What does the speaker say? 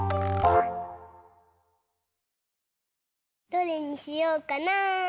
どれにしようかな。